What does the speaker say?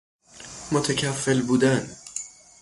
متکفل بودن